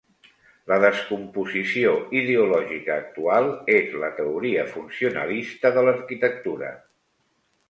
L a descomposició ideològica actual és la teoria funcionalista de l'arquitectura.